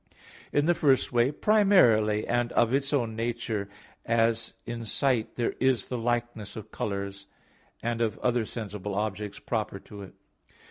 In the first way, primarily and of its own nature, as in sight there is the likeness of colors, and of other sensible objects proper to it.